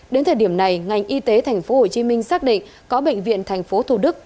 đến thời điểm này ngành y tế tp hcm xác định có bệnh viện tp thủ đức